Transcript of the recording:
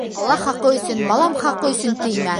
- Алла хаҡы өсөн, балам хаҡы өсөн теймә!